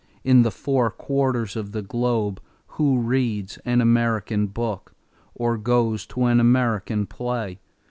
In the four quarters of the globe who reads an American book? Or goes to an American play?